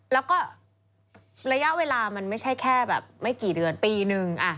แล้วก็ระยะเวลามันไม่ใช่แค่แบบไม่กี่เดือนปีนึง